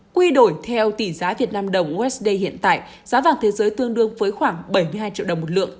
quy đổi theo tỷ giá việt nam đồng usd hiện tại giá vàng thế giới tương đương với khoảng bảy mươi hai triệu đồng một lượng